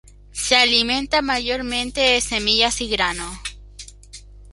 Se alimenta mayormente de semillas y grano.